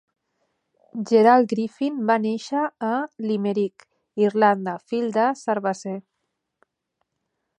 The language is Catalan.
Gerald Griffin va néixer a Limerick, Irlanda, fill de cerveser.